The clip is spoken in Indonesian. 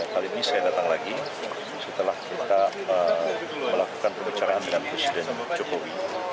kali ini saya datang lagi setelah kita melakukan pembicaraan dengan presiden jokowi